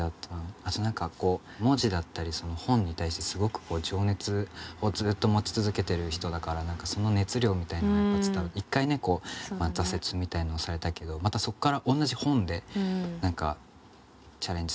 あと何かこう文字だったり本に対してすごく情熱をずっと持ち続けてる人だからその熱量みたいなのがやっぱ伝わって一回ね挫折みたいなのをされたけどまたそこからおんなじ本でチャレンジするっていうのが。